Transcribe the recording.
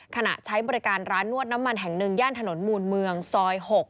ขณะใช้บริการร้านนวดน้ำมันแห่งหนึ่งย่านถนนมูลเมืองซอย๖